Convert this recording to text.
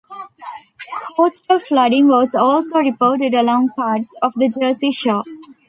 Coastal flooding was also reported along parts of the Jersey Shore.